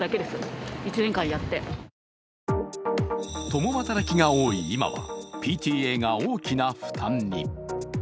共働きが多い今はＰＴＡが大きな負担に。